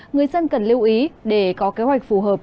người dân cần lưu ý để có kế hoạch phù hợp